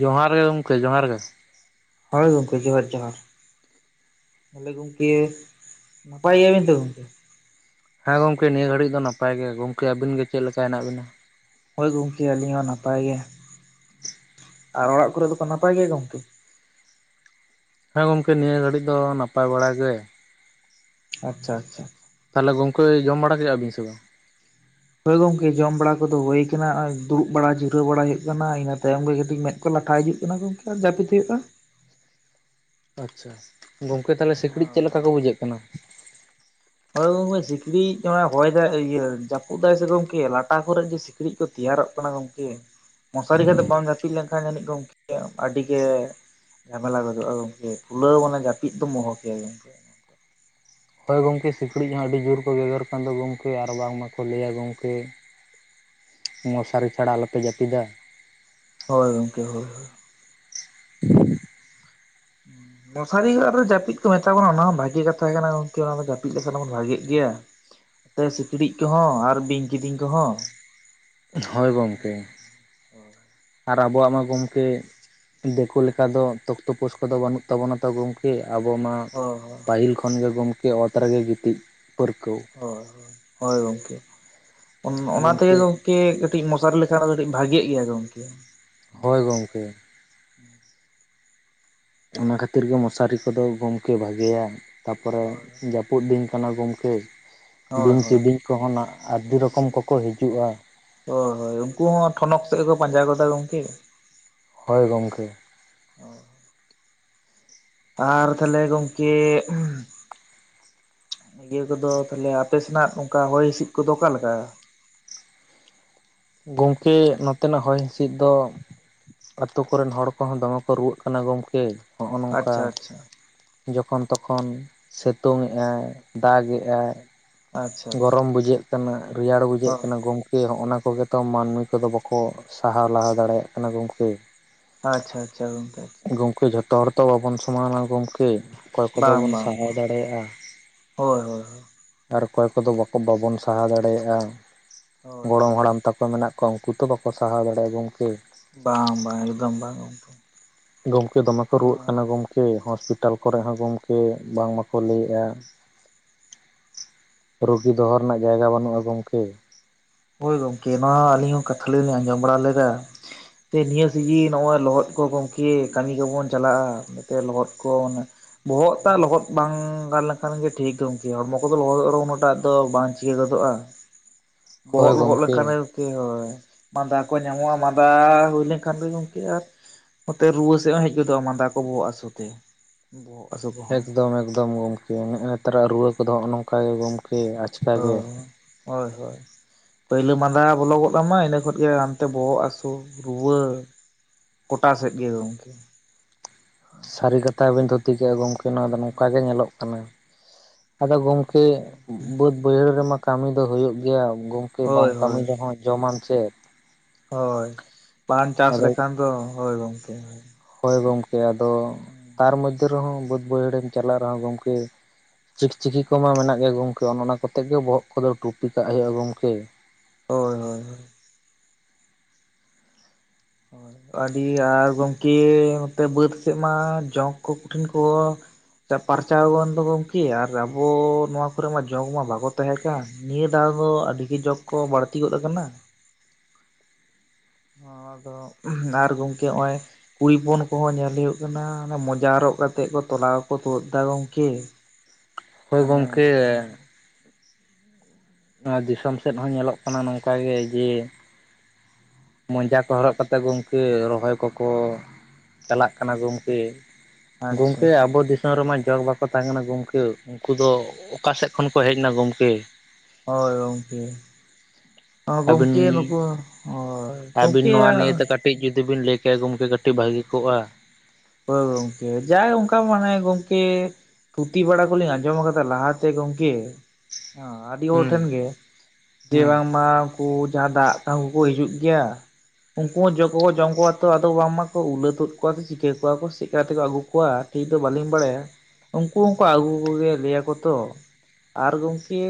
ᱡᱚᱦᱟᱨ ᱜᱮ ᱜᱚᱝᱠᱮ ᱡᱚᱦᱟᱨ ᱜᱮ᱾ ᱦᱳᱭ ᱜᱚᱝᱠᱮ ᱡᱚᱦᱟᱨ ᱡᱚᱦᱟᱨ᱾ ᱛᱟᱦᱚᱞᱮ ᱜᱚᱝᱠᱮ, ᱱᱟᱯᱟᱭ ᱜᱮᱭᱟ ᱵᱤᱱ ᱛᱚ ᱜᱚᱝᱠᱮ? ᱦᱮᱸ ᱜᱚᱝᱠᱮ ᱱᱤᱭᱟᱹ ᱜᱷᱟᱹᱲᱤᱡ ᱫᱚ ᱱᱟᱯᱟᱭ ᱜᱮ, ᱜᱚᱝᱠᱮ ᱟᱵᱤᱱ ᱜᱮ ᱪᱮᱫ ᱞᱮᱠᱟ ᱦᱮᱱᱟᱜ ᱵᱤᱱᱟ? ᱦᱚᱭ ᱜᱚᱝᱠᱮ ᱟᱞᱤᱧ ᱦᱚᱸ ᱱᱟᱯᱟᱭ ᱜᱮ, ᱟᱨ ᱚᱲᱟᱜ ᱠᱚᱨᱮ ᱫᱚᱠᱚ ᱱᱟᱯᱟᱭ ᱜᱮᱭᱟ ᱜᱚᱝᱠᱮ? ᱦᱮᱸ ᱜᱚᱝᱠᱮ ᱱᱤᱭᱟᱹ ᱜᱷᱟᱹᱲᱤᱡ ᱫᱚ ᱱᱟᱯᱟᱭ ᱵᱟᱲᱟ ᱜᱮ᱾ ᱟᱪᱪᱷᱟ ᱟᱪᱪᱷᱟ᱾ ᱛᱟᱦᱚᱞᱮ ᱜᱚᱝᱠᱮᱭ ᱡᱚᱢ ᱵᱟᱲᱟ ᱠᱮᱫ-ᱟ ᱵᱤᱱ ᱥᱮ ᱵᱟᱝ? ᱦᱚᱭ ᱜᱚᱝᱠᱮ ᱡᱚᱢ ᱵᱟᱲᱟ ᱠᱚᱫᱚ ᱦᱩᱭ ᱠᱟᱱᱟ ᱦᱚᱸᱜ-ᱚᱭ ᱫᱩᱲᱩᱵ ᱵᱟᱲᱟ ᱡᱤᱨᱟᱹᱣ ᱵᱟᱲᱟ ᱦᱩᱭᱩᱜ ᱠᱟᱱᱟ ᱤᱱᱟᱹ ᱛᱟᱭᱚᱢ ᱜᱮ ᱠᱟᱹᱴᱤᱡ ᱢᱮᱫ ᱠᱚ ᱞᱟᱴᱷᱟ ᱤᱫᱤᱜ ᱠᱟᱱᱟ ᱜᱚᱝᱠᱮ, ᱟᱨ ᱡᱟᱯᱤᱫ ᱦᱩᱭᱩᱜᱼᱟ᱾ ᱟᱪᱪᱷᱟ, ᱜᱚᱝᱠᱮ ᱛᱟᱦᱚᱞᱮ ᱥᱤᱠᱤᱲᱤᱡ ᱪᱮᱫ ᱞᱮᱠᱟ ᱠᱚ ᱵᱩᱡᱷᱟᱜ ᱠᱟᱱᱟ? ᱦᱚᱭ ᱜᱚᱝᱠᱮ ᱥᱤᱠᱲᱤᱡ ᱚᱱᱟ ᱦᱚᱭ ᱫᱟᱭ ᱟ ᱤᱭᱟᱹ ᱡᱟᱹᱯᱩᱫ ᱫᱟᱭ ᱥᱮ ᱜᱚᱝᱠᱮ ᱞᱟᱴᱟ ᱠᱚᱨᱮ ᱡᱮ ᱥᱤ ᱠᱤᱲᱤᱡ ᱠᱚ ᱛᱮᱭᱟᱨᱚᱜ ᱠᱟᱱᱟ ᱜᱚᱝᱠᱮ, ᱢᱚᱥᱟᱨᱤ ᱠᱟᱛᱮ ᱵᱟᱝ ᱡᱟᱹᱯᱤᱫ ᱞᱮᱱ ᱠᱷᱟᱱ ᱡᱟᱱᱤᱡ ᱜᱚᱝᱠᱮ ᱟᱹᱰᱤ ᱜᱮ ᱡᱷᱟᱢᱮᱞᱟ ᱜᱚᱫᱚᱜᱼᱟ ᱜᱚᱝᱠᱮ, ᱠᱷᱩᱞᱟᱹᱣ ᱢᱟᱱᱮ ᱡᱟᱹᱯᱤᱫ ᱫᱚᱢ ᱚᱦᱚ ᱠᱮᱭᱟ ᱜᱚᱝᱠᱮ᱾ ᱦᱳᱭ ᱜᱚᱝᱠᱮ ᱥᱤᱠᱲᱤᱡ ᱦᱚᱸ ᱟᱹᱰᱤ ᱡᱳᱨ ᱠᱚ ᱜᱮᱜᱮᱨ ᱠᱟᱱ ᱫᱚ ᱜᱚᱝᱠᱮ ᱟᱨ ᱵᱟᱝᱢᱟᱠᱚ ᱞᱟᱹᱭᱟ ᱜᱚᱝᱠᱮ ᱢᱚᱥᱟᱨᱤ ᱪᱷᱟᱲᱟ ᱟᱞᱚ ᱯᱮ ᱡᱟᱯᱤᱫᱟ᱾ ᱦᱳᱭ ᱜᱚᱝᱠᱮ ᱦᱳᱭ ᱦᱳᱭ᱾ ᱦᱩᱸ᱾ ᱢᱚᱥᱟᱨᱤ [unintelligible] ᱨᱮ ᱡᱟᱹᱯᱤᱫ ᱠᱚ ᱢᱮᱛᱟ ᱵᱚᱱᱟ ᱚᱱᱟ ᱦᱚᱸ ᱵᱷᱟᱜᱤ ᱠᱟᱛᱷᱟ ᱠᱟᱱᱟ ᱜᱚᱝᱠᱮ, ᱚᱱᱟ ᱫᱚ ᱡᱟᱹᱯᱤᱫ ᱞᱮᱠᱷᱟᱱ ᱫᱚ ᱵᱚᱱ ᱵᱷᱟᱜᱤᱜ ᱜᱮᱭᱟ᱾ ᱛᱮ ᱥᱤᱠᱲᱤᱡ ᱠᱚᱦᱚᱸ ᱟᱨ ᱵᱤᱧ ᱠᱤᱫᱤᱧ ᱠᱚᱦᱚᱸ᱾ ᱦᱳᱭ ᱜᱚᱝᱠᱮ᱾ ᱟᱨ ᱟᱵᱚᱣᱟᱜ ᱢᱟ ᱜᱚᱝᱠᱮ ᱫᱤᱠᱳ ᱞᱮᱠᱟ ᱫᱚ ᱛᱚᱯ ᱛᱚᱯᱳᱥ ᱠᱚᱫᱚ ᱵᱟᱹᱱᱩᱜ ᱛᱟᱵᱚᱱᱟ ᱛᱚ ᱜᱚᱝ ᱠᱮ ᱟᱵᱚ ᱢᱟ ᱦᱳᱭ ᱯᱟᱹᱦᱤᱞ ᱠᱷᱚᱱ ᱜᱮ ᱜᱚᱝᱠᱮ ᱚᱛ ᱨᱮᱜᱮ ᱜᱤᱛᱤᱡ ᱯᱟᱹᱨᱠᱟᱹᱣ᱾ ᱦᱳᱭ, ᱦᱳᱭ ᱜᱚᱝᱠᱮ᱾ ᱚᱱᱟ ᱛᱮᱜᱮ ᱜᱚᱢᱠᱮ ᱜᱚᱝ ᱠᱮ ᱠᱟᱹᱴᱤᱡ ᱢᱚᱥᱟᱨᱤ ᱞᱮᱠᱷᱟᱱ ᱚᱱᱟ ᱫᱚ ᱠᱟᱹᱴᱤᱡ ᱵᱷᱟᱜᱤᱭᱮᱜ ᱜᱮᱭᱟ ᱜᱚᱝᱠᱮ᱾ ᱦᱚᱭ ᱜᱚᱝᱠᱮ ᱾ ᱚᱱᱟ ᱠᱷᱟᱹᱛᱤᱨ ᱜᱮ ᱢᱚᱥᱟᱨᱤ ᱠᱚᱫᱚ ᱜᱚᱝᱠᱮ ᱵᱷᱟᱜᱮᱭᱟ, ᱛᱟᱯᱚᱨᱮ ᱦᱳᱭ ᱡᱟᱹ ᱯᱩᱫ ᱫᱤᱱ ᱠᱟᱱᱟ ᱜᱚᱝᱠᱮ, ᱦᱳᱭ ᱵᱤᱧ ᱦᱳᱭ ᱠᱤᱰᱤᱧ ᱠᱚᱦᱚᱸ ᱱᱟᱜ ᱟᱹᱰᱤ ᱨᱚᱠᱚᱢ ᱠᱚᱠᱚ ᱦᱤᱡᱩᱜᱼᱟ᱾ ᱦᱳᱭ ᱦᱳᱭ ᱩᱝᱠᱩ ᱦᱚᱸ ᱴᱷᱚᱱᱚᱠ ᱥᱮᱫ ᱠᱚ ᱯᱟᱸᱡᱟ ᱜᱚᱫᱟ ᱜᱚᱝᱠᱮ᱾ ᱦᱚᱭ ᱜᱚᱝᱠᱮ᱾ ᱟᱨ ᱛᱟᱦᱚᱞᱮ ᱜᱚᱝᱠᱮ ᱱᱤᱭᱟᱹ ᱠᱚᱫᱚ ᱛᱟᱦᱚᱞᱮ ᱟᱯᱮ ᱥᱮᱱᱟᱜ ᱚᱱᱠᱟ ᱦᱚᱭ ᱦᱤᱥᱤᱫ ᱠᱚᱫᱚ ᱚᱠᱟᱞᱮᱠᱟ? ᱜᱚᱝᱠᱮ ᱱᱚᱛᱮᱱᱟᱜ ᱦᱚᱭ ᱦᱸᱤᱥᱤᱫ ᱫᱚ ᱟᱹᱛᱩ ᱠᱚᱨᱮᱱ ᱦᱚᱲ ᱠᱚᱦᱚᱸ ᱫᱚᱢᱮ ᱠᱚ ᱨᱩᱣᱟᱹᱜ ᱠᱟᱱᱟ ᱜᱚᱝᱠᱮ ᱦᱚᱸᱜᱼᱱᱚᱝᱠᱟ ᱟᱪᱪᱷᱟ ᱟᱪᱪᱷᱟ ᱾ ᱡᱚᱠᱷᱚᱱ ᱛᱚᱠᱷᱚᱱ ᱥᱤᱛᱩᱝ ᱮᱜᱼᱟᱭ ᱫᱟᱜᱮᱜᱼᱟᱭ ᱾ ᱟᱪᱪᱷᱟ ᱟᱪᱪᱷᱟ ᱜᱚᱨᱚᱢ ᱵᱩᱡᱷᱟᱹᱜ ᱠᱟᱱᱟ ᱨᱮᱭᱟᱲ ᱵᱩᱡᱷᱟᱹᱜ ᱦᱚᱸ ᱠᱟᱱᱟ ᱜᱚᱝ ᱠᱮ ᱦᱚᱜᱼᱱᱟ ᱠᱚᱜᱮᱛᱚ ᱢᱟᱹᱱᱢᱤ ᱠᱚᱫᱚ ᱵᱟᱠᱚ ᱥᱟᱦᱟᱣ ᱞᱟᱦᱟ ᱫᱟᱲᱮᱭᱟᱜ ᱠᱟᱱᱟ ᱜᱚᱢᱠᱮ ᱾ ᱟᱪᱪᱷᱟ ᱟᱪᱪᱷᱟ ᱜᱚᱝᱠᱮ ᱟᱪᱷᱟ ᱜᱚᱢᱠᱮ ᱡᱷᱚᱛᱚ ᱦᱚᱲ ᱛᱚ ᱵᱟᱵᱚᱱ ᱥᱚᱢᱟᱱᱟ ᱜᱚᱢᱠᱮ? ᱚᱠᱚᱭ ᱠᱚᱫᱚ ᱵᱟᱝ ᱵᱚᱱ ᱵᱟᱝ ᱥᱟᱦᱟᱣ ᱵᱟᱝ ᱫᱟᱲᱮᱭᱟᱜᱼᱟ ᱦᱳᱭ ᱦᱳᱭ ᱟᱨ ᱚᱠᱚᱭ ᱠᱚᱫᱚ ᱵᱟᱠᱚ ᱵᱟᱵᱚᱱ ᱥᱟᱦᱟᱣ ᱫᱟᱲᱮᱭᱟᱜᱼᱟ ᱦᱳᱭ ᱜᱚᱲᱚᱢ ᱜᱚᱢᱠᱮ ᱦᱟᱲᱟᱢ ᱛᱟ ᱠᱚ ᱢᱮᱱᱟᱜ ᱠᱚᱣᱟ ᱩᱱᱠᱩ ᱛᱚ ᱵᱟᱠᱚ ᱥᱟᱦᱟᱣ ᱫᱟᱲᱮᱭᱟᱜᱼᱟ ᱜᱚᱝᱠᱮ᱾ ᱵᱟᱝ ᱵᱟᱝ ᱮᱠᱫᱚᱢ ᱵᱟᱝ ᱾ ᱜᱚᱢᱠᱮ ᱫᱚᱢᱮ ᱠᱚ ᱨᱩᱣᱟᱹᱜ ᱠᱟᱱᱟ ᱜᱚᱢ ᱠᱮ ᱦᱚᱥᱯᱤᱴᱟᱞ ᱠᱚᱨᱮ ᱦᱚᱸ ᱜᱚᱝᱠᱮ ᱵᱟᱝ ᱢᱟᱠᱚ ᱞᱟᱹᱭᱮᱜᱼᱟ ᱾ ᱨᱩᱜᱤ ᱫᱚᱦᱚ ᱨᱮᱱᱟᱜ ᱡᱟᱭᱜᱟ ᱵᱟᱹᱱᱩᱜᱼᱟ ᱜᱚᱝᱠᱮ ᱾ ᱦᱳᱭ ᱜᱚᱝᱠᱮ ᱱᱚᱣᱟ ᱟᱹᱞᱤᱧ ᱦᱚᱸ ᱠᱟᱛᱷᱟ ᱞᱤᱧ ᱟᱸᱡᱚᱢ ᱵᱟᱲᱟ ᱞᱮᱫᱟ ᱾ ᱛᱮ ᱱᱤᱭᱟᱹ ᱥᱤᱡᱤ ᱱᱚᱜᱼᱚᱭ ᱞᱚᱦᱚᱫ ᱠᱚ ᱜᱚᱢᱠᱮ ᱠᱟᱹᱢᱤ ᱠᱚᱵᱚᱱ ᱪᱟᱞᱟᱜᱼᱟ ᱾ ᱡᱟᱛᱮ ᱞᱚᱦᱚᱫ ᱠᱚ ᱢᱟᱱᱮ ᱵᱚᱦᱚᱜ ᱛᱟᱜ ᱞᱚᱦᱚᱫ ᱵᱟᱝ ᱜᱟᱱ ᱞᱮᱱᱠᱷᱟᱱ ᱜᱮ ᱴᱷᱤᱠ ᱜᱚᱝᱠᱮ ᱦᱚᱲᱢᱚ ᱠᱚᱫᱚ ᱞᱚᱦᱚᱫᱚᱜ ᱩᱱᱟᱹᱜ ᱴᱟ ᱫᱚ ᱵᱟᱝ ᱪᱤᱠᱟᱹ ᱜᱚᱫᱚᱜᱼᱟ ᱦᱳᱭ ᱵᱚᱦᱚᱜ ᱞᱚᱦᱚᱫ ᱜᱚᱢᱠᱮ ᱞᱮᱱᱠᱷᱟᱱ ᱦᱳᱭ ᱢᱟᱸᱫᱟ ᱠᱚ ᱧᱟᱢᱚᱜᱼᱟ ᱢᱟᱫᱟ ᱦᱩᱭ ᱞᱮᱱᱠᱷᱟᱱ ᱜᱮ ᱜᱚᱝᱠᱮ ᱟᱨ ᱱᱚᱛᱮ ᱨᱩᱣᱟᱹ ᱥᱮᱫ ᱦᱚᱸ ᱦᱮᱡ ᱜᱚᱫᱚᱜᱼᱟ ᱢᱟᱸᱫᱟ ᱠᱚ ᱵᱚᱦᱚᱜ ᱦᱟᱹᱥᱩ ᱛᱮ ᱾ ᱵᱚᱦᱚᱜ ᱦᱟᱹᱥᱩ ᱠᱚ ᱮᱠᱫᱚᱢ ᱮᱠᱫᱚᱢ ᱜᱚᱢᱠᱮ ᱱᱮᱜᱼᱱᱮᱛᱟᱨᱟᱜ ᱨᱩᱣᱟᱹ ᱠᱚᱫᱚ ᱱᱚᱜᱼ ᱱᱚᱝᱠᱟ ᱜᱮ ᱜᱚᱝᱠᱮ ᱟᱪᱠᱟ ᱜᱮ ᱾ ᱦᱳᱭ ᱦᱳᱭ ᱾ ᱯᱟᱹᱭᱞᱟᱹ ᱢᱟᱸᱫᱟ ᱵᱚᱞᱚᱜᱚᱫ ᱟᱢᱟ ᱤᱱᱟᱹ ᱠᱷᱚᱡ ᱜᱮ ᱦᱟᱱᱛᱮ ᱵᱚᱦᱚᱜ ᱦᱟᱹᱥᱩ ᱨᱩᱣᱟᱹ ᱾ ᱜᱚᱴᱟ ᱥᱮᱫ ᱜᱮ ᱜᱚᱝᱠᱮ ᱾ ᱥᱟᱹᱨᱤ ᱠᱟᱛᱷᱟ ᱵᱤᱱ ᱫᱷᱩᱛᱤ ᱠᱮᱫᱼᱟ ᱜᱚᱝᱠᱮ ᱱᱚᱣᱟ ᱫᱚ ᱱᱚᱝᱠᱟ ᱜᱮ ᱧᱮᱞᱚᱜ ᱠᱟᱱᱟ ᱾ ᱟᱫᱚ ᱜᱚᱝᱠᱮ ᱵᱟᱹᱫᱽ ᱵᱟᱹᱭᱦᱟᱹᱲ ᱨᱮᱢᱟ ᱠᱟᱹᱢᱤ ᱫᱚ ᱦᱩᱭᱩᱜ ᱜᱮᱭᱟ ᱜᱚᱝ ᱠᱮ ᱵᱟᱢ ᱦᱳᱭ ᱠᱟᱹᱢᱤ ᱦᱳᱭ ᱨᱮᱦᱚᱸ ᱡᱚᱢᱟᱢ ᱪᱮᱫ? ᱦᱳᱭ ᱵᱟᱢ ᱪᱟᱥ ᱟᱫᱚ ᱞᱮᱠᱷᱟᱱ ᱫᱚ ᱦᱳᱭ ᱜᱚᱝᱠᱮ ᱾ ᱦᱳᱭ ᱜᱚᱝᱠᱮ ᱟᱫᱚ ᱛᱟᱨ ᱢᱚᱫᱽᱫᱷᱮ ᱨᱮᱦᱚᱸ ᱵᱟᱹᱫᱽ ᱵᱟᱹᱭᱦᱟᱹᱲᱮᱢ ᱪᱟᱞᱟᱜ ᱨᱮᱦᱚᱸ ᱜᱚᱝᱠᱮ ᱪᱤᱠᱪᱤᱠᱤ ᱠᱚᱢᱟ ᱢᱮᱱᱟᱜ ᱜᱮᱭᱟ ᱜᱚᱝᱠᱮ ᱚᱱᱮ ᱚᱱᱟ ᱠᱚᱛᱮ ᱜᱮ ᱵᱚᱦᱚᱜ ᱠᱚᱫᱚ ᱴᱩᱯᱤ ᱠᱟᱜ ᱦᱩᱭᱩᱜᱼᱟ ᱜᱚᱝᱠᱮ ᱾ ᱦᱳᱭ ᱦᱳᱭ ᱾ ᱦᱳᱭᱻ ᱦᱳᱭ ᱾ ᱟᱹᱰᱤ ᱟᱨ ᱜᱚᱝᱠᱮ ᱱᱚᱛᱮ ᱵᱟᱹᱫᱽ ᱥᱮᱫ ᱢᱟ ᱡᱚᱸᱠ ᱠᱚᱸᱠᱩᱴᱷᱤᱱ ᱠᱚ ᱯᱟᱨᱪᱟᱣ ᱜᱟᱱ ᱫᱚ ᱜᱚᱝᱠᱮ ᱟᱨ ᱟᱵᱚ ᱱᱚᱣᱟ ᱠᱚᱨᱮ ᱢᱟ ᱡᱚᱸᱠ ᱢᱟ ᱵᱟᱠᱚ ᱛᱟᱦᱮᱸ ᱪᱟ ᱱᱤᱭᱟᱹ ᱫᱷᱟᱣ ᱫᱚ ᱟᱹᱰᱤᱜᱮ ᱡᱚᱸᱠ ᱠᱚ ᱵᱟᱹᱲᱛᱤ ᱜᱚᱫ ᱠᱟᱱᱟ ᱾ ᱟᱫᱚ ᱟᱨ ᱜᱚᱝᱠᱮ ᱱᱚᱜᱼᱚᱭ ᱠᱩᱲᱤ ᱦᱚᱯᱚᱱ ᱠᱚᱦᱚᱸ ᱧᱮᱞ ᱦᱩᱭᱩᱜ ᱠᱟᱱᱟ ᱢᱚᱡᱟ ᱦᱚᱨᱚᱜ ᱠᱟᱛᱮ ᱠᱚ ᱛᱚᱞᱟᱠᱚ ᱛᱩᱫ ᱫᱟ ᱜᱚᱝᱠᱮ ᱾ ᱦᱳᱭ ᱜᱚᱝᱠᱮ ᱾ ᱱᱚᱣᱟ ᱫᱤᱥᱚᱢ ᱥᱮᱫ ᱦᱚᱸ ᱧᱮᱞᱚᱜ ᱠᱟᱱᱟ ᱱᱚᱝᱠᱟ ᱜᱮ ᱡᱮ ᱢᱚᱡᱟ ᱠᱚ ᱦᱚᱨᱚᱜ ᱠᱟᱛᱮᱫ ᱜᱚᱝᱠᱮ ᱨᱚᱦᱚᱭ ᱠᱚᱠᱚ ᱪᱟᱞᱟᱜ ᱠᱟᱱᱟ ᱜᱚᱝᱠᱮ ᱟᱪᱪᱷᱟ ᱜᱚᱝᱠᱮ ᱟᱵᱚ ᱛᱟᱹᱢ ᱨᱮᱢᱟ ᱡᱚᱸᱠᱽ ᱵᱟᱠᱚ ᱛᱟᱦᱮᱸ ᱠᱟᱱᱟ ᱜᱚᱝᱠᱮ ᱩᱱᱠᱩ ᱫᱚ ᱚᱠᱟᱥᱮᱫ ᱠᱷᱚᱱ ᱠᱚ ᱦᱮᱡ ᱮᱱᱟ ᱜᱚᱝᱠᱮ? ᱦᱳᱭ ᱜᱚᱝᱠᱮ᱾ ᱚ ᱟᱹᱵᱤᱱ ᱜᱚᱝᱠᱮ ᱱᱩᱠᱩ ᱦᱳᱭ᱾ ᱟᱹᱵᱤᱱ ᱜᱚᱝᱠᱮ ᱱᱚᱣᱟ ᱟ ᱱᱤᱭᱮᱛᱮ ᱠᱟᱹᱴᱤᱡ ᱡᱩᱫᱤ ᱵᱤᱱ ᱞᱟᱹᱭ ᱠᱮᱭᱟ ᱜᱚᱝᱠᱮ ᱠᱟᱹᱴᱤᱡ ᱵᱷᱟᱹᱜᱤ ᱠᱚᱜᱼᱟ᱾ ᱦᱳᱭ ᱜᱚᱝᱠᱮ ᱡᱟᱭ ᱚᱱᱠᱟ ᱢᱟᱱᱮ ᱜᱚᱝᱠᱮ ᱛᱷᱩᱛᱷᱤ ᱵᱟᱲᱟ ᱠᱚᱞᱤᱧ ᱟᱸᱡᱚᱢ ᱠᱟᱫᱟ ᱞᱟᱦᱟᱛᱮ ᱜᱚᱝᱠᱮ ᱟᱹᱰᱤ ᱦᱚᱲ ᱦᱩᱸ ᱴᱷᱮᱱ ᱜᱮ᱾ ᱡᱮ ᱦᱩᱸ ᱵᱟᱝᱢᱟ ᱩᱱᱠᱩ ᱡᱟᱦᱟᱸ ᱫᱟᱜ ᱠᱟᱹᱦᱩ ᱠᱚ ᱦᱤᱡᱩᱜ ᱜᱮᱭᱟ᱾ ᱩᱱᱠᱩ ᱦᱚᱸ ᱡᱚᱸᱠ ᱠᱚᱠᱚ ᱡᱚᱢ ᱠᱚᱣᱟ ᱛᱚ ᱟᱫᱚ ᱵᱟᱝᱢᱟᱠᱚ ᱩᱞᱟᱹ ᱛᱩᱫ ᱠᱚᱣᱟ ᱥᱮ ᱪᱤᱠᱟᱹ ᱠᱚᱣᱟ ᱠᱚ ᱥᱮ ᱪᱮᱫᱠᱟ ᱠᱟᱛᱮᱠᱚ ᱟᱹᱜᱩ ᱠᱚᱣᱟ ᱴᱷᱤᱠ ᱫᱚ ᱵᱟᱹᱞᱤᱧ ᱵᱟᱲᱟᱭᱟ᱾ ᱩᱱᱠᱩ ᱦᱚᱸᱠᱚ ᱟᱹᱜᱩ ᱠᱚᱜᱮᱭᱟ ᱞᱟᱹᱭᱟᱠᱚ ᱛᱚ ᱟᱨ ᱜᱚᱝᱠᱮ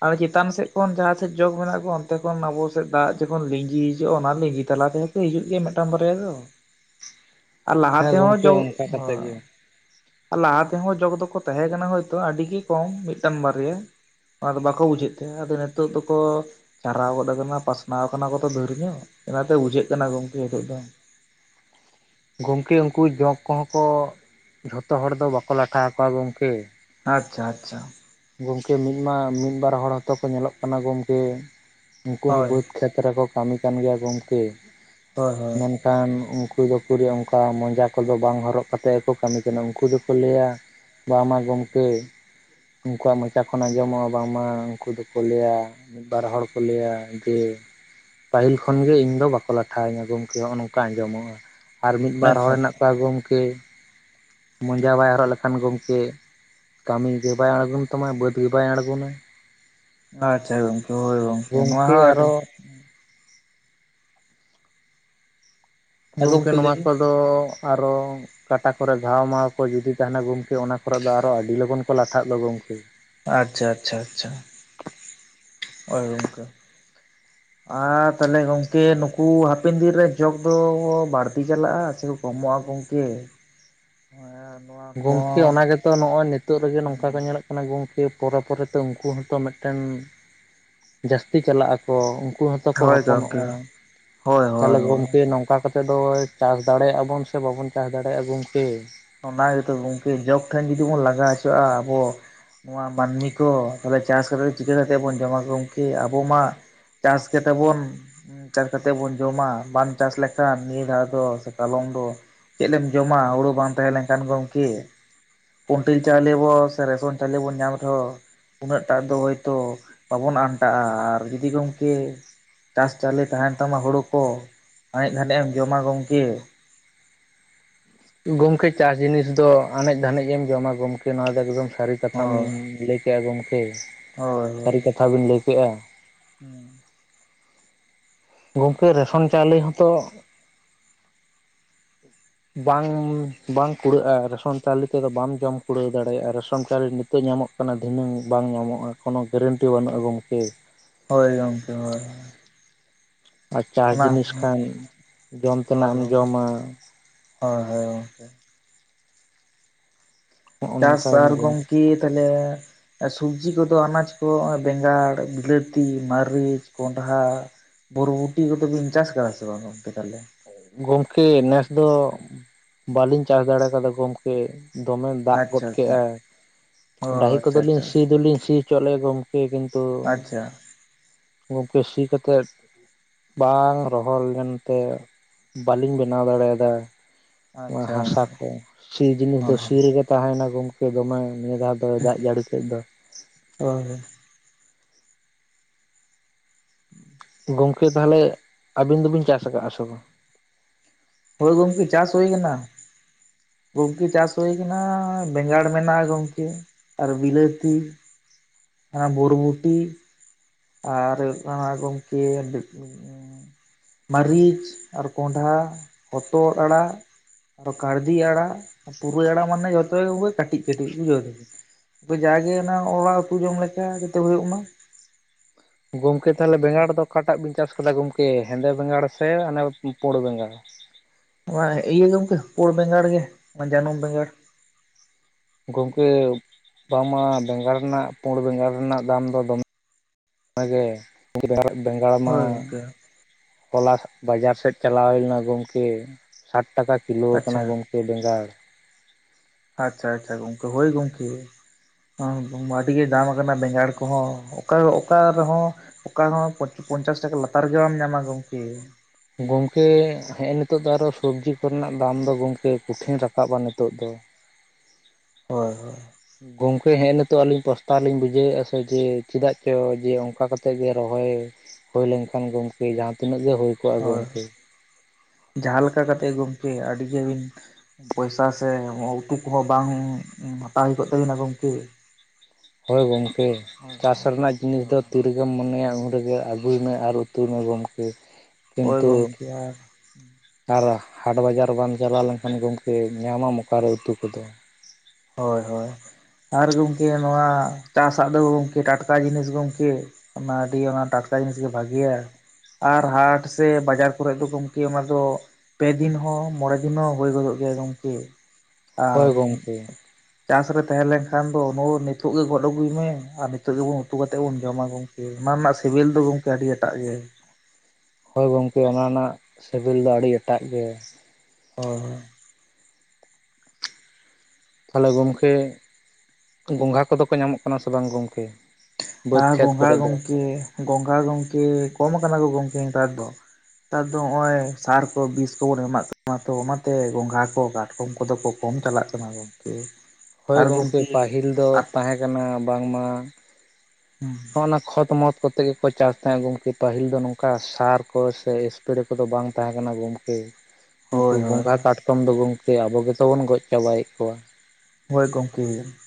ᱦᱟᱱᱮ ᱪᱮᱛᱟᱱ ᱥᱮᱫ ᱠᱷᱚᱱ ᱡᱟᱦᱟᱸ ᱥᱮᱫ ᱡᱚᱸᱠ ᱢᱮᱱᱟᱜ ᱠᱚ ᱚᱱᱛᱮ ᱠᱷᱚᱱ ᱟᱵᱚ ᱥᱮᱫ ᱫᱟᱜ ᱡᱚᱠᱷᱚᱱ ᱞᱤᱸᱜᱤ ᱦᱤᱡᱩᱜᱼᱟ ᱚᱱᱟ ᱞᱤᱸᱜᱤ ᱛᱟᱞᱟ ᱛᱮ ᱦᱚ ᱦᱤᱡᱩᱜ ᱜᱮᱭᱟ ᱢᱤᱫᱴᱟᱝ ᱵᱟᱨᱭᱟ ᱫᱚ᱾ ᱟᱨ ᱞᱟᱦᱟ ᱦᱮᱸ ᱛᱮᱦᱚᱸ ᱜᱚᱢᱠᱮ ᱡᱚᱸᱠ ᱚᱱᱠᱟ ᱠᱟᱛᱮᱫ ᱦᱳᱭ᱾ ᱜᱮ ᱟᱨ ᱞᱟᱦᱟ ᱛᱮᱦᱚᱸ ᱡᱚᱜ ᱫᱚᱠᱚ ᱛᱟᱦᱮᱸ ᱠᱟᱱᱟ ᱦᱚᱭᱛᱚ ᱟᱹᱰᱤ ᱜᱮ ᱠᱚᱢ ᱢᱤᱫᱴᱟᱱ ᱵᱟᱨᱭᱟ᱾ ᱚᱱᱟᱫᱚ ᱵᱟᱠᱚ ᱵᱩᱡᱷᱟᱹᱜ ᱛᱮ᱾ ᱟᱫᱚ ᱱᱤᱛᱚᱜ ᱫᱚᱠᱚ ᱪᱟᱨᱦᱟᱣ ᱜᱚᱫ ᱠᱟᱱᱟ ᱯᱟᱥᱱᱟᱣ ᱠᱟᱱᱟ ᱠᱚ ᱛᱚ ᱫᱷᱟᱹᱨ ᱧᱚᱜ, ᱚᱱᱟᱛᱮ ᱵᱩᱡᱷᱟᱹᱜ ᱠᱟᱱᱟ ᱜᱚᱝᱠᱮ ᱦᱤᱛᱚᱜ ᱫᱚ᱾ ᱜᱚᱝᱠᱮ ᱩᱱᱠᱩ ᱡᱚᱸᱠ ᱠᱚᱦᱚᱸ ᱠᱚ ᱡᱷᱚᱛᱚ ᱦᱚᱲ ᱫᱚ ᱵᱟᱠᱚ ᱞᱟᱴᱷᱟ ᱟᱠᱚᱣᱟ ᱜᱚᱝᱠᱮ᱾ ᱟᱪᱪᱷᱟ ᱟᱪᱪᱷᱟ᱾ ᱜᱚᱝᱠᱮ ᱢᱤᱫ ᱢᱟ ᱢᱤᱫ ᱵᱟᱨ ᱦᱚᱲ ᱦᱚᱸᱛᱚ ᱠᱚ ᱧᱮᱞᱚᱜ ᱠᱟᱱᱟ ᱜᱚᱝᱠᱮ ᱩᱱᱠᱩ ᱦᱚᱸ ᱦᱳᱭ ᱵᱟᱹᱫᱽ ᱠᱷᱮᱛ ᱨᱮᱠᱚ ᱠᱟᱹᱢᱤ ᱠᱟᱱ ᱜᱮᱭᱟ ᱜᱚᱝᱠᱮ᱾ ᱦᱳᱭ ᱦᱮᱸ᱾ ᱠᱷᱟᱱ ᱩᱱᱠᱩ ᱫᱚ ᱯᱩᱨᱟᱹ ᱚᱱᱠᱟ ᱢᱚᱡᱟ ᱠᱚᱫᱚ ᱵᱟᱝ ᱦᱚᱨᱚᱜ ᱠᱟᱛᱮᱜ ᱜᱮᱠᱚ ᱠᱟᱹᱢᱤ ᱠᱟᱱᱟ᱾ ᱩᱱᱠᱩ ᱫᱚᱠᱚ ᱞᱟᱹᱭᱟ ᱵᱟᱝᱢᱟ ᱜᱚᱢᱠᱮ ᱩᱱᱠᱩᱣᱟᱜ ᱢᱚᱪᱟ ᱠᱷᱚᱱ ᱟᱸᱡᱚᱢᱚᱜᱼᱟ ᱵᱟᱝᱢᱟ ᱩᱱᱠᱩ ᱫᱚᱠᱚ ᱞᱟᱹᱭᱟ ᱢᱤᱫ ᱵᱟᱨ ᱦᱚᱲ ᱠᱚ ᱞᱟᱹᱭᱟ ᱡᱮ ᱯᱟᱹᱦᱤᱞ ᱠᱷᱚᱱ ᱤᱧ ᱫᱚ ᱵᱟᱠᱚ ᱞᱟᱴᱷᱟᱣᱟᱧᱟ ᱜᱚᱢᱠᱮ ᱦᱚᱸᱜ-ᱚ ᱱᱚᱝᱠᱟ ᱟᱸᱡᱚᱢᱚᱜᱼᱟ᱾ ᱟᱨ ᱢᱤᱫᱵᱟᱨ ᱟᱪᱪᱷᱟ ᱦᱚᱲ ᱟᱪᱪᱷᱟ ᱦᱮᱱᱟᱜ ᱠᱚᱣᱟ ᱜᱚᱢᱠᱮ ᱢᱚᱡᱟ ᱵᱟᱭ ᱦᱚᱨᱚᱜ ᱞᱮᱠᱷᱟᱱ ᱜᱚᱢᱠᱮ ᱠᱟᱹᱢᱤ ᱜᱮ ᱵᱟᱭ ᱟᱬᱜᱳᱱ ᱛᱟᱢᱭ, ᱵᱟᱹᱫᱽ ᱜᱮ ᱵᱟᱭ ᱟᱬᱜᱚᱱᱟᱭ᱾ ᱟᱪᱪᱷᱟ ᱜᱚᱝᱠᱮ ᱦᱳᱭ ᱜᱚᱝᱠᱮ ᱱᱚᱶᱟ ᱜᱚᱢᱠᱮ ᱦᱚᱸ ᱟᱹᱰᱤ ᱟᱨᱚ ᱦᱮᱸ ᱜᱚᱝᱠᱮ ᱜᱚᱢᱠᱮ ᱞᱟᱹᱭ ᱱᱚᱣᱟ ᱵᱤᱱ ᱠᱚᱫᱚ ᱟᱨᱚ ᱠᱟᱴᱟ ᱠᱚᱨᱮ ᱜᱷᱟᱣ ᱢᱟᱣ ᱠᱚ ᱡᱩᱫᱤ ᱛᱟᱦᱮᱱᱟ ᱜᱚᱢᱠᱮ ᱚᱱᱟ ᱠᱚᱨ ᱫᱚ ᱟᱨᱚ ᱟᱹᱰᱤ ᱞᱚᱜᱚᱱ ᱠᱚ ᱞᱟᱴᱷᱟᱜ ᱫᱚ ᱜᱚᱢᱠᱮ᱾ ᱟᱪᱪᱷᱟ ᱟᱪᱪᱷᱟ ᱟᱪᱪᱷᱟ ᱦᱳᱭ ᱜᱚᱢᱠᱮ᱾ [inaudible] ᱟᱨ ᱛᱟᱦᱚᱞᱮ ᱜᱚᱝᱠᱮ ᱱᱩᱠᱩ ᱦᱟᱯᱮᱱ ᱫᱤᱱ ᱨᱮ ᱡᱚᱜ ᱫᱚᱠᱚ ᱵᱟᱹᱲᱛᱤ ᱪᱟᱞᱟᱜᱼᱟ ᱥᱮ ᱠᱚ ᱠᱚᱢᱚ-ᱟ ᱜᱚᱢᱠᱮ᱾ ᱱᱚᱣᱟ ᱠᱚ ᱜᱚᱝᱠᱮ ᱚᱱᱟ ᱜᱮᱛᱚ ᱱᱚᱜᱼᱚᱭ ᱱᱤᱛᱳᱜ ᱨᱮᱜᱮ ᱱᱚᱝᱠᱟ ᱠᱚ ᱧᱮᱞᱚᱜ ᱠᱟᱱᱟ ᱜᱚᱢᱠᱮ ᱯᱚᱨᱮ ᱯᱚᱨᱮᱛᱮ ᱩᱱᱠᱩ ᱦᱚᱸᱛᱚ ᱢᱤᱫᱴᱮᱱ ᱡᱟᱹᱥᱛᱤ ᱪᱟᱞᱟᱜ ᱟᱠᱚ, ᱩᱱᱠᱩ ᱦᱚᱸᱛᱚ ᱠᱚ ᱦᱳᱭ ᱜᱚᱢᱠᱮ ᱦᱚᱯᱚᱱᱚᱜᱼᱟ ᱦᱳᱭ ᱦᱳᱭ ᱛᱟᱦᱚᱞᱮ ᱦᱳᱭ ᱜᱚᱝᱠᱮ ᱱᱚᱝᱠᱟ ᱠᱟᱛᱮ ᱛᱮᱫ ᱫᱚᱭ ᱪᱟᱥ ᱫᱟᱲᱮᱭᱟᱜᱼᱟ ᱵᱚᱱ ᱥᱮ ᱵᱟᱵᱚᱱ ᱪᱟᱥ ᱫᱟᱲᱮᱭᱟᱜᱼᱟ ᱜᱚᱝᱠᱮ? ᱚᱱᱟ ᱜᱮᱛᱚ ᱜᱚᱝᱠᱮ ᱡᱚᱜ ᱴᱷᱮᱱ ᱡᱩᱫᱤ ᱵᱚᱱ ᱞᱟᱜᱟ ᱦᱚᱪᱚᱣᱟᱜᱼᱟ ᱟᱵᱚ᱾ ᱱᱚᱣᱟ ᱢᱟᱹᱱᱢᱤ ᱠᱚ ᱛᱟᱦᱚᱞᱮ ᱪᱟᱥ ᱠᱟᱛᱮᱫ ᱪᱤᱠᱟᱹ ᱠᱟᱛᱮᱫ ᱵᱚᱱ ᱡᱚᱢᱟ ᱜᱚᱢᱠᱮ᱾ ᱟᱵᱚ ᱢᱟ ᱪᱟᱥ ᱠᱮᱛᱮ ᱵᱚᱱ ᱪᱟᱥ ᱠᱟᱛᱮᱫ ᱵᱚᱱ ᱡᱚᱢᱟ᱾ ᱵᱟᱢ ᱪᱟᱥ ᱞᱮᱠᱷᱟᱱ ᱱᱤᱭᱟᱹ ᱫᱷᱟᱣ ᱫᱚ ᱥᱮ ᱠᱟᱞᱚᱢ ᱫᱚ ᱪᱮᱫᱞᱮᱢ ᱡᱚᱢᱟ ᱦᱳᱲᱳ ᱵᱟᱝ ᱛᱟᱸᱦᱮ ᱞᱮᱱᱠᱷᱟᱱ ᱜᱚᱝᱠᱮ᱾ ᱠᱚᱱᱴᱮᱞ ᱪᱟᱣᱞᱮ ᱵᱚ ᱥᱮ ᱨᱮᱥᱚᱱ ᱪᱟᱣᱞᱮᱵᱚ ᱧᱟᱢ ᱨᱮᱦᱚ ᱩᱱᱟᱹᱜ ᱴᱟᱜ ᱫᱚ ᱦᱚᱳᱭᱛᱳ ᱵᱟᱵᱚᱱ ᱟᱱᱴᱟᱜᱼᱟ ᱟᱨ ᱡᱩᱫᱤ ᱜᱚᱢᱠᱮ ᱪᱟᱥ ᱪᱟᱣᱞᱮ ᱛᱟᱦᱮᱱ ᱛᱟᱢᱟ ᱦᱩᱲᱳ ᱠᱚ ᱟᱱᱮᱡ ᱫᱟᱷᱟᱱᱮᱡ ᱮᱢ ᱡᱚᱢᱟ ᱜᱚᱢᱠᱮ ᱜᱚᱢᱠᱮ ᱪᱟᱥ ᱡᱤᱱᱤᱥ ᱫᱚ ᱮᱱᱮᱡ ᱫᱷᱟᱹᱱᱮᱡᱮᱢ ᱡᱚᱢᱟ ᱜᱚᱢᱠᱮ ᱱᱚᱣᱟ ᱫᱚ ᱮᱠᱫᱚᱢ ᱥᱟᱹᱨᱤ ᱠᱟᱛᱷᱟᱢ ᱦᱳᱭ ᱞᱟᱹᱭ ᱠᱮᱜᱼᱟ ᱜᱚᱢᱠᱮ ᱦᱳᱭ ᱥᱟᱹᱨᱤ ᱦᱳᱭ ᱠᱟᱛᱷᱟ ᱵᱤᱱ ᱞᱟᱹᱭ ᱠᱮᱜᱼᱟ ᱜᱚᱝᱠᱮ ᱨᱮᱥᱚᱱ ᱪᱟᱣᱞᱮ ᱦᱚᱸᱛᱚ ᱵᱟᱝ ᱵᱟᱝ ᱠᱩᱲᱟᱹᱜᱼᱟ ᱨᱮᱥᱚᱱ ᱪᱟᱣᱞᱤ ᱛᱮᱫᱚ ᱵᱟᱢ ᱡᱚᱢ ᱠᱩᱲᱟᱹᱣ ᱫᱟᱲᱮᱭᱟᱜᱼᱟ ᱨᱮᱥᱚᱱ ᱪᱟᱣᱞᱮ ᱱᱤᱛᱚᱜ ᱧᱟᱢᱚᱜ ᱠᱟᱱᱟ ᱫᱷᱤᱱᱟᱹᱝ ᱵᱟᱝ ᱧᱟᱢᱚᱜᱼᱟ ᱠᱳᱱᱳ ᱜᱮᱨᱮᱱᱴᱤ ᱵᱟᱹᱱᱩᱜᱼᱟ ᱜᱚᱝᱠᱮ ᱦᱳᱭ ᱜᱚᱝᱚᱢᱠᱮ ᱦᱳᱭ ᱟᱨ ᱪᱟᱥ ᱚᱱᱟ ᱡᱤᱱᱤᱥ ᱠᱷᱟᱱ ᱡᱚᱢ ᱛᱮᱱᱟᱜ ᱦᱳᱭ ᱮᱢ ᱜᱚᱝᱠᱮ ᱡᱚᱢᱟ ᱦᱳᱭ ᱦᱳᱭ ᱜᱚᱝᱠᱮ ᱱᱚᱜᱼᱚ ᱪᱟᱥ ᱱᱚᱝᱠᱟ ᱟᱨ ᱜᱚᱢᱠᱮ ᱛᱟᱞᱦᱮ ᱥᱚᱵᱡᱤ ᱠᱚᱫᱚ ᱟᱱᱟᱡ ᱠᱚ ᱵᱮᱸᱜᱟᱲ ᱵᱤᱞᱟᱹᱛᱤ ᱢᱟᱹᱨᱤᱪ ᱠᱚᱸᱰᱷᱟ ᱵᱩᱨᱩ ᱵᱩᱴᱤ ᱠᱚᱫᱚ ᱵᱤᱱ ᱪᱟᱥ ᱟᱠᱟᱫᱟ ᱥᱮ ᱵᱟᱝ ᱜᱚᱢᱠᱮ ᱛᱟᱦᱞᱮ ᱜᱚᱢᱠᱮ ᱱᱮᱥ ᱫᱚ ᱵᱟᱞᱤᱧ ᱪᱟᱥ ᱫᱟᱲᱮ ᱠᱟᱫᱟ ᱜᱚᱢᱠᱮ ᱫᱚᱢᱮ ᱫᱟᱜ ᱟᱪᱪᱷᱟ ᱜᱚᱫ ᱟᱪᱪᱷᱟ ᱠᱮᱜᱟᱭ ᱚ ᱰᱟᱹᱺᱦᱤ ᱟᱪᱪᱷᱟ ᱠᱚᱫᱚᱞᱤᱧ ᱟᱪᱪᱷᱟ ᱥᱤ ᱫᱚᱞᱤᱧ ᱥᱤ ᱦᱚᱪᱚᱞᱮᱜ ᱜᱚᱢᱠᱮ ᱠᱮ ᱠᱤᱱᱛᱩ ᱟᱪᱪᱷᱟ ᱜᱚᱢᱠᱮ ᱥᱤ ᱠᱟᱛᱮᱫ ᱵᱟᱝ ᱨᱚᱦᱚᱲ ᱞᱮᱱ ᱛᱮ ᱵᱟᱞᱤᱧ ᱵᱮᱱᱟᱣ ᱫᱟᱬᱮᱭᱟᱫᱟ ᱟᱪᱪᱷᱟ ᱦᱟᱥᱟ ᱜᱚᱝᱠᱮ ᱛᱮ ᱥᱤ ᱡᱤᱱᱤᱥ ᱫᱚ ᱦᱚᱸ ᱥᱤ ᱨᱮᱜᱮ ᱛᱟᱦᱮᱱᱟ ᱜᱚᱢᱠᱮ ᱫᱚᱢᱮ ᱱᱤᱭᱟᱹ ᱫᱷᱟᱣ ᱫᱚ ᱫᱟᱜ ᱡᱟᱹᱲᱤ ᱠᱮᱫ ᱫᱚ ᱦᱳᱭ ᱦᱳᱭ ᱜᱚᱝᱠᱮ ᱛᱟᱦᱚᱞᱮ ᱟᱵᱤᱱ ᱫᱚᱵᱤᱱ ᱪᱟᱥ ᱟᱠᱟᱫᱼᱟ ᱥᱮ ᱵᱟᱝ ᱦᱳᱭ ᱜᱚᱢᱠᱮ ᱪᱟᱥ ᱦᱩᱭ ᱠᱟᱱᱟ ᱜᱚᱝᱠᱮ ᱪᱟᱥ ᱦᱩᱭ ᱠᱟᱱᱟ᱾ ᱵᱮᱸᱜᱟᱲ ᱢᱮᱱᱟᱜᱼᱟ ᱜᱚᱢᱠᱮ ᱟᱨ ᱵᱤᱞᱟᱹᱛᱤ᱾ ᱦᱮᱸ ᱵᱚᱨᱵᱚᱴᱤ ᱟᱨ ᱦᱳᱭᱳᱜ ᱠᱟᱱᱟ ᱜᱚᱝᱠᱮ, ᱢᱟᱹᱨᱤᱪ ᱟᱨ ᱠᱚᱸᱰᱷᱟ ᱦᱚᱛᱚᱫ ᱟᱲᱟᱜ ᱟᱨ ᱠᱟᱲᱫᱤ ᱟᱲᱟᱜ ᱯᱩᱨᱟᱹᱭ ᱟᱲᱟᱜ ᱢᱟᱱᱮ ᱡᱚᱛᱚᱜ ᱜᱮ ᱜᱚᱢᱠᱮ ᱠᱟᱹᱴᱤᱡ ᱠᱟᱹᱴᱤᱡ ᱵᱩᱡᱷᱟᱹᱣ᱾ ᱟᱫᱚ ᱡᱟᱜᱮ ᱚᱱᱟ ᱚᱲᱟᱜ ᱩᱛᱩ ᱡᱚᱝ ᱞᱮᱠᱟ ᱡᱟᱛᱮ ᱦᱚᱭᱳᱜ ᱢᱟ᱾ ᱜᱚᱢᱠᱮ ᱛᱟᱦᱚᱞᱮ ᱵᱮᱸᱜᱟᱲ ᱫᱚ ᱚᱠᱟᱴᱟᱜ ᱵᱤᱱ ᱪᱟᱥ ᱟᱠᱟᱫᱟ ᱜᱚᱢᱠᱮ ᱦᱮᱸᱫᱮ ᱵᱮᱸᱜᱟᱲ ᱥᱮ ᱚᱱᱮ ᱯᱳᱲ ᱵᱮᱸᱜᱟᱲ? ᱤᱭᱟᱹ ᱜᱚᱝᱠᱮ ᱯᱩᱲ ᱵᱮᱸᱜᱟᱲ ᱜᱮ ᱡᱟᱱᱩᱢ ᱵᱮᱸᱜᱟᱲ᱾ ᱜᱚᱝᱠᱮ ᱵᱟᱝᱢᱟ ᱵᱮᱸᱜᱟᱲ ᱨᱮᱱᱟᱜ ᱯᱩᱲ ᱵᱮᱸᱜᱟᱲ ᱨᱮᱱᱟᱜ ᱫᱟᱢ ᱫᱚ ᱫᱚᱢᱮ ᱵᱷᱟᱜᱮ, ᱵᱮᱸᱜᱟᱲ ᱢᱟ ᱦᱳᱭ ᱜᱚᱝᱠᱮ ᱦᱚᱞᱟ ᱵᱟᱡᱟᱨ ᱥᱮᱫ ᱪᱟᱞᱟᱣ ᱦᱩᱭ ᱞᱮᱱᱟ ᱜᱚᱢᱠᱮ᱾ ᱥᱟᱴ ᱴᱟᱠᱟ ᱠᱤᱞᱳ ᱟᱠᱟᱱᱟ ᱟᱪᱪᱷᱟ ᱜᱚᱢᱠᱮ ᱵᱮᱸᱜᱟᱲ᱾ ᱟᱪᱪᱷᱟ ᱟᱪᱪᱷᱟ ᱜᱚᱝᱠᱮ ᱦᱳᱭ ᱜᱚᱝᱠᱮ᱾ ᱟᱹᱰᱤ ᱜᱮ ᱫᱟᱢ ᱟᱠᱟᱱᱟ ᱵᱮᱸᱜᱟᱲ ᱠᱚᱦᱚᱸ ᱚᱠᱟ ᱚᱠᱟ ᱨᱮᱦᱚᱸ ᱚᱠᱟ ᱦᱚᱸ ᱯᱚᱧᱪᱟᱥ ᱴᱟᱠᱟ ᱞᱟᱛᱟᱨ ᱜᱮ ᱵᱟᱢ ᱧᱟᱢᱟ ᱜᱚᱝᱠᱮ᱾ ᱜᱚᱝᱠᱮ ᱦᱮᱸᱜ ᱮ ᱱᱤᱛᱚᱜ ᱫᱚ ᱟᱨᱚ ᱥᱚᱵᱡᱤ ᱠᱚᱨᱮᱱᱟᱜ ᱫᱟᱢ ᱫᱚ ᱜᱚᱢᱠᱮ ᱠᱚᱴᱷᱤᱱ ᱨᱟᱠᱟᱵᱟ ᱱᱤᱛᱚᱜ ᱫᱚ᱾ ᱦᱳᱭ ᱜᱚᱝᱠᱮ ᱦᱮᱜ ᱱᱤᱛᱚᱜ ᱟᱞᱤᱧ ᱯᱚᱥᱛᱟᱣ ᱞᱤᱧ ᱵᱩᱡᱷᱟᱹᱣᱮᱫᱼᱟ ᱥᱮ ᱡᱮ ᱪᱮᱫᱟᱜ ᱪᱚ ᱡᱮ ᱚᱱᱠᱟ ᱠᱟᱛᱮᱜ ᱜᱮ ᱨᱚᱦᱚᱭ ᱦᱩᱭ ᱞᱮᱱᱠᱷᱟᱱ ᱜᱚᱝᱠᱮ ᱡᱟᱦᱟᱸ ᱛᱤᱱᱟᱹᱜ ᱦᱳᱭ ᱦᱳᱭ ᱡᱟᱦᱟᱸ ᱞᱮᱠᱟ ᱠᱟᱛᱮᱜ ᱜᱚᱢᱠᱮ ᱟᱹᱰᱤ ᱜᱮᱵᱤᱱ ᱯᱚᱭᱥᱟ ᱥᱮ ᱩᱛᱩ ᱠᱚᱦᱚᱸ ᱵᱟᱝ ᱦᱟᱛᱟᱣ ᱦᱩᱭ ᱠᱚᱜ ᱛᱟᱵᱤᱱᱟ ᱜᱚᱝᱠᱮ᱾ ᱦᱳᱭ ᱜᱚᱝᱠᱮ, ᱪᱟᱥ ᱨᱮᱱᱟᱜ ᱡᱤᱱᱤᱥ ᱫᱚ ᱛᱤ ᱨᱮᱜᱮᱢ ᱢᱚᱱᱮᱭᱟ ᱩᱱ ᱨᱮᱜᱮ ᱟᱹᱜᱩᱭ ᱢᱮ ᱟᱨ ᱩᱛᱩᱭ ᱢᱮ ᱜᱚᱝᱠᱮ, ᱦᱳᱭ ᱠᱤᱱᱛᱩ ᱜᱚᱢᱠᱮ ᱟᱨ ᱟᱨ ᱦᱟᱴ ᱵᱟᱡᱟᱨ ᱵᱟᱢ ᱪᱟᱞᱟᱣ ᱞᱮᱱᱠᱷᱟᱱ ᱜᱚᱝᱠᱮ ᱧᱟᱢᱟᱢ ᱚᱠᱟ ᱨᱮ ᱩᱛᱩ ᱠᱚᱫᱚ᱾ ᱦᱳᱭ ᱦᱳᱭ, ᱟᱨ ᱜᱚᱝᱠᱮ ᱱᱚᱣᱟ ᱪᱟᱥᱟᱜ ᱫᱚ ᱜᱚᱝᱠᱮ ᱴᱟᱴᱠᱟ ᱡᱤᱱᱤᱥ ᱜᱚᱝᱠᱮ, ᱚᱱᱟ ᱟᱹᱰᱤ ᱚᱱᱟ ᱴᱟᱴᱠᱟ ᱡᱤᱱᱤᱥ ᱜᱮ ᱵᱷᱟᱜᱮᱭᱟ᱾ ᱟᱨ ᱦᱟᱴ ᱥᱮ ᱵᱟᱡᱟᱨ ᱠᱚᱨᱮᱫ ᱫᱚ ᱜᱚᱝᱠᱮ ᱚᱱᱟ ᱫᱚ ᱯᱮ ᱫᱤᱱ ᱦᱚᱸ, ᱢᱚᱬᱮ ᱫᱤᱱ ᱦᱚᱸ ᱦᱳᱭ ᱜᱚᱫᱚᱜ ᱜᱮᱭᱟ ᱜᱚᱝᱠᱮ᱾ ᱦᱚᱭ ᱜᱚᱝᱠᱮ᱾ ᱪᱟᱥ ᱨᱮ ᱛᱟᱦᱮᱸ ᱞᱮᱝᱠᱷᱟᱱ ᱫᱚ [unintelligible] ᱱᱤᱛᱚᱜ ᱜᱮ ᱜᱚᱫ ᱟᱹᱜᱩᱭ ᱢᱮ ᱟᱨ ᱱᱤᱛᱚᱜ ᱜᱮᱵᱚᱱ ᱩᱛᱩ ᱠᱟᱛᱮᱫ ᱵᱚᱱ ᱡᱚᱢᱟ ᱵᱚᱱ᱾ ᱚᱱᱟ ᱨᱮᱱᱟᱜ ᱥᱤᱵᱤᱞ ᱫᱚ ᱜᱚᱝᱠᱮ ᱟᱹᱰᱤ ᱮᱴᱟᱜ ᱜᱮ᱾ ᱦᱳᱭ ᱜᱚᱝᱠᱮ ᱚᱱᱟ ᱨᱮᱱᱟᱜ, ᱥᱤᱵᱤᱞ ᱫᱚ ᱟᱹᱰᱤ ᱮᱴᱟᱜ ᱜᱮ᱾ ᱦᱳᱭ ᱦᱳᱭ᱾ ᱛᱟᱦᱚᱞᱮ ᱜᱚᱝᱠᱮ, ᱜᱚᱝᱜᱷᱟ ᱠᱚᱫᱚ ᱠᱚ ᱧᱟᱢᱚᱜ ᱠᱟᱱᱟ ᱥᱮ ᱵᱟᱝ ᱜᱚᱝᱠᱮ? ᱟᱨ ᱜᱚᱝᱜᱷᱟ ᱜᱚᱝᱠᱮ, ᱜᱚᱝᱜᱷᱟ ᱜᱚᱝᱠᱮ ᱠᱚᱢ ᱟᱠᱟᱱᱟ ᱠᱚ ᱜᱚᱝᱠᱮ ᱱᱮᱛᱟᱨ ᱫᱚ᱾ ᱱᱮᱛᱟᱨ ᱫᱚ ᱦᱚᱸᱜᱼᱚᱭ ᱥᱟᱨ ᱠᱚ, ᱵᱤᱥ ᱠᱚᱵᱚᱱ ᱮᱢᱟᱜ ᱠᱟᱱᱟ ᱛᱚ ᱚᱱᱟᱛᱮ ᱜᱚᱸᱜᱷᱟ ᱠᱚ, ᱠᱟᱴᱠᱚᱢ ᱠᱚᱫᱚ ᱠᱚ ᱠᱚᱢ ᱪᱟᱞᱟᱜ ᱠᱟᱱᱟ ᱜᱚᱝᱠᱮ᱾ ᱦᱚᱭ ᱜᱚᱝᱠᱮ ᱯᱟᱹᱦᱤᱞ ᱫᱚ ᱛᱟᱦᱮᱸ ᱠᱟᱱᱟ ᱵᱟᱝᱢᱟ ᱦᱚᱸᱜ ᱚᱱᱟ ᱠᱷᱚᱛ ᱢᱚᱛ, ᱠᱚᱛᱮ ᱜᱮᱠᱚ ᱪᱟᱥ ᱛᱟᱦᱮᱸᱜ ᱜᱚᱢᱠᱮ᱾ ᱯᱟᱹᱦᱤᱞ ᱫᱚ ᱱᱚᱝᱠᱟ ᱥᱟᱨ ᱠᱚ ᱥᱮ ᱮᱥᱯᱮᱨᱮ ᱠᱚᱫᱚ ᱵᱟᱝ ᱛᱟᱦᱮᱸ ᱠᱟᱱᱟ ᱜᱚᱢᱠᱮ᱾ ᱩᱝᱠᱩ ᱦᱳᱭ ᱦᱳᱭ ᱜᱚᱸᱜᱷᱟ ᱠᱟᱴᱠᱚᱢ ᱫᱚ ᱜᱚᱝᱠᱮ ᱟᱵᱚ ᱜᱮᱛᱚ ᱵᱚᱱ ᱜᱚᱡ ᱪᱟᱵᱟᱭᱮᱫ ᱠᱚᱣᱟ᱾ ᱦᱳᱭ ᱜᱚᱝᱠᱮ᱾ [inaudible]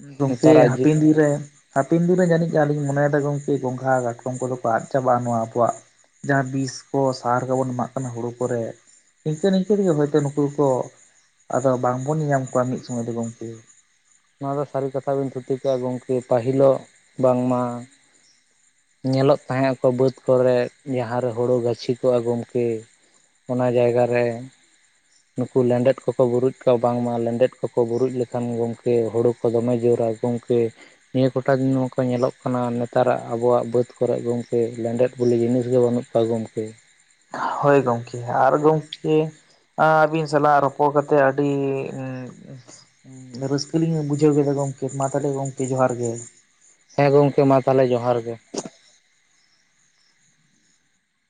ᱫᱚ ᱜᱚᱝᱠᱮ ᱱᱮᱛᱟᱨᱟᱜ ᱡᱩᱜᱽ ᱦᱟᱯᱮᱱ ᱫᱤᱱ ᱨᱮ ᱦᱟᱯᱮᱱ ᱫᱤᱱ ᱨᱮ ᱡᱟᱹᱱᱤᱡ ᱟᱹᱞᱤᱧ ᱢᱚᱱᱮᱭᱮᱫᱟ ᱜᱚᱝᱠᱮ ᱜᱚᱝᱜᱷᱟ ᱠᱟᱴᱠᱚᱢ ᱠᱚᱫᱚ ᱠᱚ ᱟᱫ ᱪᱟᱵᱟᱜᱼᱟ ᱱᱚᱣᱟ ᱟᱵᱚᱣᱟᱜ ᱡᱟᱦᱟᱸ ᱵᱤᱥ ᱠᱚ ᱥᱟᱨ ᱠᱚᱵᱚᱱ ᱮᱢᱟᱜ ᱠᱟᱱᱟ ᱦᱳᱲᱳ ᱠᱚᱨᱮ᱾ ᱱᱤᱝᱠᱟᱹ ᱱᱤᱝᱠᱟᱹ ᱛᱮᱜᱮ ᱦᱚᱭᱛᱳ ᱱᱩᱠᱩ ᱠᱚ, ᱟᱫᱚ ᱵᱟᱝ ᱵᱚᱱ ᱧᱮᱧᱟᱢ ᱠᱚᱣᱟ ᱢᱤᱫ ᱥᱚᱢᱚᱭ ᱫᱚ ᱜᱚᱝᱠᱮ᱾ ᱱᱚᱣᱟ ᱫᱚ ᱥᱟᱹᱨᱤ ᱠᱟᱛᱷᱟ ᱵᱤᱱ ᱛᱷᱩᱛᱤ ᱠᱮᱫᱼᱟ ᱜᱚᱝᱠᱮ ᱯᱟᱹᱦᱤᱞᱚᱜ ᱵᱟᱝᱢᱟ ᱧᱮᱞᱚᱜ ᱛᱟᱦᱮᱸᱜ ᱟᱠᱚ ᱵᱟᱹᱫ ᱠᱚᱨᱮ ᱡᱟᱦᱟᱸ ᱨᱮ ᱦᱩᱲᱩ ᱜᱟᱹᱪᱷᱤ ᱠᱚᱜ-ᱟ ᱜᱚᱝᱠᱮ, ᱚᱱᱟ ᱡᱟᱭ ᱜᱟ ᱨᱮ, ᱱᱩᱠᱩ ᱞᱮᱸᱰᱮᱫ ᱠᱚᱠᱚ ᱵᱩᱨᱩᱡ ᱠᱟᱜ-ᱟ, ᱵᱟᱝᱢᱟ ᱞᱮᱸᱰᱮᱫ ᱠᱚᱠᱚ ᱵᱩᱨᱩᱡ ᱞᱮᱠᱷᱟᱱ ᱜᱚᱝ ᱠᱮ ᱦᱳᱲᱳ ᱠᱚ ᱫᱚᱢᱮ ᱡᱳᱨ-ᱟᱭ ᱜᱚᱝᱠᱮ᱾ ᱱᱤᱭᱟᱹ ᱠᱚᱴᱟ ᱫᱤᱱ ᱢᱟᱠᱚ ᱧᱮᱞᱚᱜ ᱠᱟᱱᱟ ᱱᱮᱛᱟᱨᱟᱜ ᱟᱵᱚᱣᱟᱜ ᱵᱟᱹᱫᱽ ᱠᱚᱨᱮᱜ ᱜᱚᱝᱠᱮ ᱞᱮᱸᱰᱮᱫ ᱵᱚᱞᱤ ᱡᱤᱱᱤᱥ ᱜᱮ ᱵᱟᱹᱱᱩᱜ ᱠᱚᱣᱟ ᱜᱚᱢᱠᱮ᱾ ᱦᱳᱭ ᱜᱚᱝᱠᱮ ᱟᱨ ᱜᱚᱝᱠᱮ ᱟᱸ ᱟᱹᱵᱤᱱ ᱥᱟᱞᱟᱜ ᱨᱚᱯᱚᱲ ᱠᱟᱛᱮ ᱟᱹᱰᱤ ᱨᱟᱹᱥᱠᱟᱹ ᱞᱤᱧ ᱵᱩᱡᱷᱟᱹᱣ ᱠᱮᱫᱟ ᱜᱚᱝᱠᱮ ᱢᱟ ᱛᱟᱦᱚᱞᱮ ᱜᱚᱝᱠᱮ ᱡᱚᱦᱟᱨ ᱜᱮ᱾ ᱦᱮᱸ ᱜᱚᱝᱠᱮ ᱢᱟ ᱛᱟᱦᱚᱞᱮ ᱡᱚᱦᱟᱨ ᱜᱮ᱾